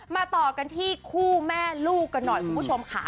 ต่อกันที่คู่แม่ลูกกันหน่อยคุณผู้ชมค่ะ